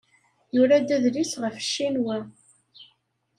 Yura-d adlis ɣef Ccinwa.